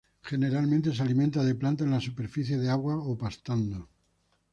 Generalmente se alimenta de plantas en la superficie del agua o pastando.